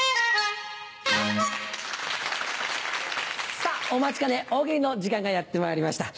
さぁお待ちかね「大喜利」の時間がやってまいりました。